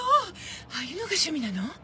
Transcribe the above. ああいうのが趣味なの？